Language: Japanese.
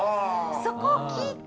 そこを聞いて。